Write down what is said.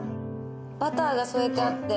バターが添えてあって。